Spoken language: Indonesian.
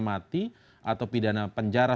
mati atau pidana penjara